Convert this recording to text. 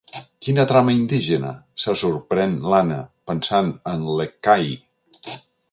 Quina trama indígena? —se sorprèn l'Anna, pensant en l'Ekahi.